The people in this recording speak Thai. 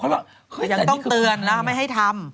อย่างนี้น่ะก็ต้องเตือนนะไม่ให้ทำ